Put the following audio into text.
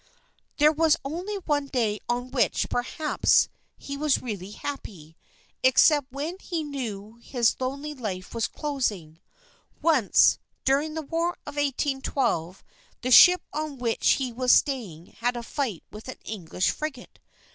There was only one day on which, perhaps, he was really happy, except when he knew his lonely life was closing. Once, during the war of 1812, the ship on which he was staying had a fight with an English frigate.